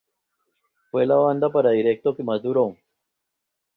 Fue la banda para directo que más duró.